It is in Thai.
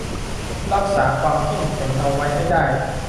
รักษาความเข้มแข็งเอาไว้ให้ได้